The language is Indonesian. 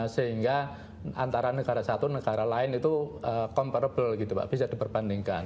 sehingga antara negara satu negara lain itu comparable gitu pak bisa diperbandingkan